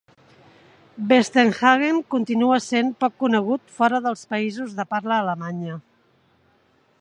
Westernhagen continua sent poc conegut fora dels països de parla alemanya.